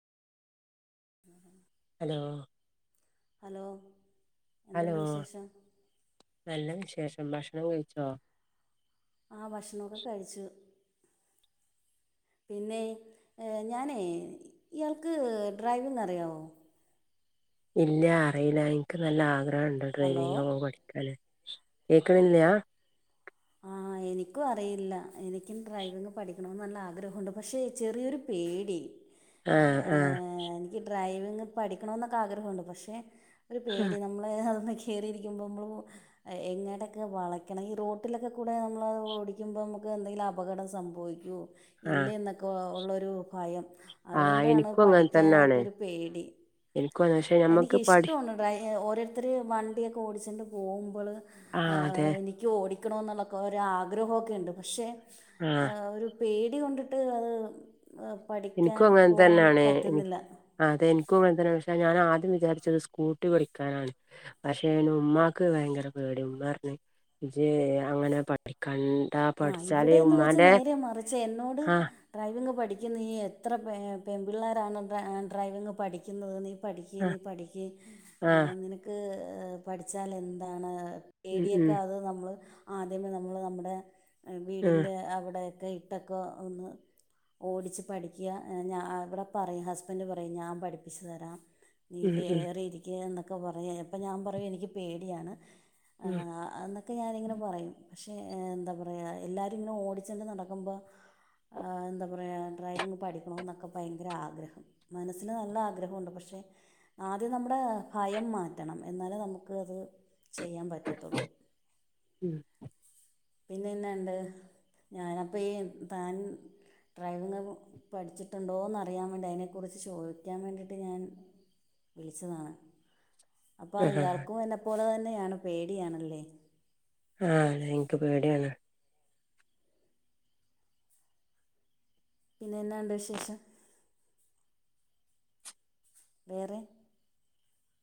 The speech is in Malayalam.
ഉം ഹ ഹലോ ഹലോ എന്തുണ്ട് ഹലോ വിശേഷം നല്ലവിശേഷം ഭക്ഷണം കഴിച്ചോ. ആ ഭക്ഷണമൊക്കെ കഴിച്ചു [inaudible] പിന്നെ ഞാനേ ഇയാൾക്ക് ഡ്രൈവിഗ് അറിയാവോ. ഇല്ല അറിയില്ല എനിക്ക് നല്ല ആഗ്രഹംണ്ട് ഹലോ ഡ്രൈവിംഗ്പോകാൻ പഠിക്കാന്. കേക്കണില്ലയാ. ആഹ് എനിക്കും അറിയില്ല എനിക്കും ഡ്രൈവിങ് പഠിക്കണണംമന്ന് നല്ല ആഗ്രഹമുണ്ട് പക്ഷേ ചെറിയൊരു പേടി. ആഹ് ആഹ പഠിക്കണ എന്നൊക്കെ ആഗ്രഹമുണ്ട് പക്ഷെ ഒരു പേടി നമ്മളെ.. കയറിയിരിക്കുമ്പോ നമ്മൾ എങ്ങനെക്കെ വളക്കണം ഈ റോട്ട.. റോട്ടിലൊക്കെ കൂടെ നമ്മളത് ഓടിക്കുമ്പോൾ നമുക്ക് എന്തെങ്കിലും അപകടം സംഭവിക്കൂ ഇല്ല ആഹ് എന്നൊക്കെ. ഉള്ളൊരു ഭയം ആഹ് അതുകൊണ്ടാണ് എനിക്കും അങ്ങനെ തന്നെയാണ് പഠിക്കാനായിട്ടൊരു പേടി. എനിക്കും അങ്ങനെ. പക്ഷെ എനിക്ക് ഞമ്മക്ക് പഠി ഇഷ്ടമാണ് ഡ്രൈവിംഗ്. ഓരോരുത്തർ വണ്ടിയൊക്കെ ഓടിച്ചിണ്ട് പോകുമ്പോൾ ആഹ് അതെ എനിക്ക് ഓടി. ക്ണ എന്നുള്ളൊെ ഒര് ആഗ്രഹമൊക്കെ ഉണ്ട് പക്ഷെ ആഹ് ഒരു. പേടികൊണ്ടിട്ട് അത്. ആ, എനിക്കും പഠിക്കാൻ അങ്ങനെ പോകാൻ തന്നെയാണ് പറ്റുന്നില്ല എനിക്കുംഅതെ എനിക്കും അങ്ങനെ തന്നെം. ഞാൻ ആദ്യം വിചാരിച്ചത് ഒരു സ്കൂട്ടി പഠിക്കാനാണ് പക്ഷേ അതിന് ഉമ്മാക്ക് ഭയങ്കര പേടി ഉമ്മ പറഞ്ഞു. ജ അങ്ങനെ പഠിക്കാൻ. ആഹ് ഇവിടെന്ന് വെച്ച് നേരെ മറിച്ച് എന്നോട് ആഹ് ഡ്രൈവിംഗ് പഠിക്ക. എത്ര പെൺപിള്ളാരാണ് ഡ്രൈവിംഗ് പഠിക്കുന്നത് നീ. പഠിക്കുക ആഹ് നീ ആഹ് പഠിക്നിനക്ക് പഠിച്ചാൽ എന്താണ്. ഉം ഉം പേടിയൊക്കെ അത് നമ്മൾ ആദ്യമേ നമ്മൾ നമ്മുടെ ആഹ് വീടിന്റെ അവിടെ. ക്കെ ഇട്ടൊക്കെ ഒന്ന് ഓടിച്ചച്ച് പഠിക്കുക ഞ ഇവിടെ പറയും ഹസ്ബൻഡ് പറയും ഞാൻ പഠിപ്പിച്ചു തരാം. നീ ഉം ഉം കയറി ഇരിക്കുക എന്നൊക്കെ പറയാ ഇപ്പം ഞാൻ പറയയും എനിക്ക് പേടിയാണ്. ഉം ആഎന്നൊക്കെ ഞാനിങ്ങനെ പറയും പക്ഷെ എന്താ പറയും പക്ഷേ.. അയാ എല്ലാരും ഇങ്ങനെ ഓടിച്ചണ്ട് നടക്കുമ്പോ. അഎന്താ പറയാം ഡ്രൈവിങ് പഠിക്കണ എന്നൊക്കെ ഭയങ്കര ആഗ്രഹം മനസ്സിന് നല്ല ആഗ്രഹം ഉണ്ട് ആഗ്രഹമുണ്ട് പക്ഷെ. ആദ്യം നമ്മുടെ ഭയം മാറ്റണം എന്നാൽ നമുക്ക് അത്. ചെയ്യാൻ പറ്റത്തുള്ളൂ ഉം പിന്നെന്നണ്ട് ഞാന അപ്പൊ ഈ താൻ ഡ്രൈവിങ് പഠിച്ചിട്ടുണ്ടോന്ന് അറിയാൻ വേണ്ടി അതിനെക്കുറിച്ച് ചോദിക്കാൻ വേണ്ടിയിട്ട് ഞാൻ. വിളിച്ചതാണ് അപ്പൊ ആഹ് ആഹ് ഇയാൾക്കും എന്നെ പോലെ തന്നെയാണ് പേടിയണല്ലേ ആഹ് അതെ ഇൻക്ക് പേട്യാണ് പിന്നെന്നാണ്ട് വിശേഷം? വേറെ